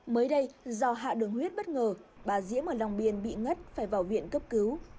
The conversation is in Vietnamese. mới đây do hạ đường huyết bất ngờ bà diễm ở long biên bị ngất phải vào viện cấp cứu